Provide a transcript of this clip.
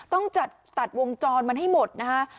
ต้องจัดตัดวงจรมันให้หมดนะคะ